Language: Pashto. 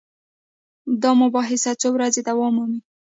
دا مباحثه څو ورځې دوام مومي.